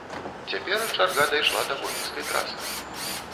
Цяпер чарга дайшла да гомельскай трасы.